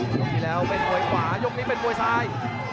ยกที่แล้วเป็นมวยขวายกนี้เป็นมวยซ้าย